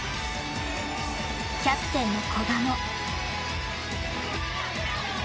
キャプテンの古賀も。